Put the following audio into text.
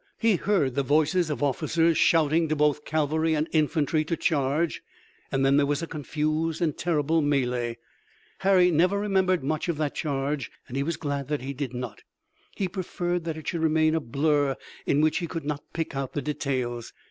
He heard the voices of officers shouting to both cavalry and infantry to charge, and then there was a confused and terrible melee. Harry never remembered much of that charge, and he was glad that he did not. He preferred that it should remain a blur in which he could not pick out the details.